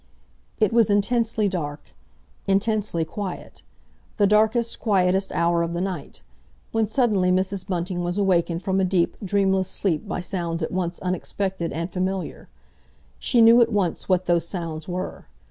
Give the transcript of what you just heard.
It was intensely dark, intensely quiet—the darkest quietest hour of the night, when suddenly Mrs. Bunting was awakened from a deep, dreamless sleep by sounds at once unexpected and familiar. She knew at once what those sounds were.